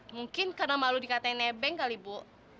mungkin karena malu dikatakan nebeng kali bu